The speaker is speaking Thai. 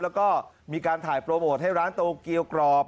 แล้วก็มีการถ่ายโปรโมทให้ร้านโตเกียวกรอบ